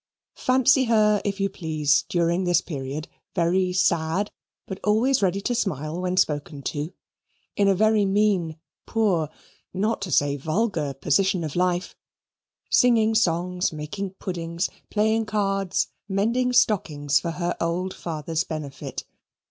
Fancy her, if you please, during this period, very sad, but always ready to smile when spoken to; in a very mean, poor, not to say vulgar position of life; singing songs, making puddings, playing cards, mending stockings, for her old father's benefit.